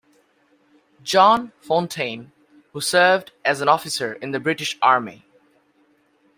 John Fontaine, who served as an officer in the British Army.